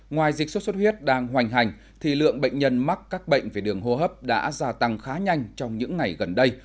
ngoài dịch sốt xuất huyết đang hoành hành thì lượng bệnh nhân mắc các bệnh về đường hô hấp đã gia tăng khá nhanh trong những ngày gần đây